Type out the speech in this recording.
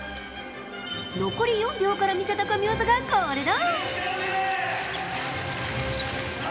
残り４秒から見せた神技がこれだ。